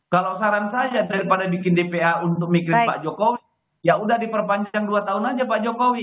kalau saran saya daripada bikin dpa untuk mikirin pak jokowi ya udah diperpanjang dua tahun aja pak jokowi